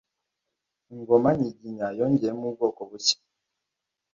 ingoma nyiginya yongeyemo ubwoko bushya.